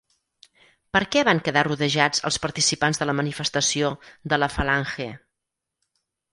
Per què van quedar rodejats els participants de la manifestació de la Falange?